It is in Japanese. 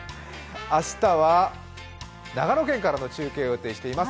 明日は長野県からの中継を予定しています。